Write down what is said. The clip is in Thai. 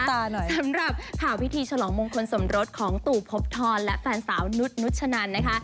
สำหรับข่าวพิธีฉลองมงคลสมรสของตู่พบทรและแฟนสาวนุษย์นุชนันนะคะ